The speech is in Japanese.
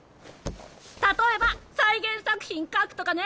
例えば再現作品描くとかね！